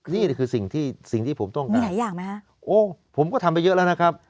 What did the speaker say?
นี่คือสิ่งที่ผมต้องการโอ้ผมก็ทำไปเยอะแล้วนะครับมีไหนอยากไหมฮะ